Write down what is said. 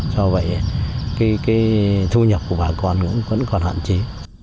do vậy cái thu nhập của bà con cũng vẫn còn hạn chế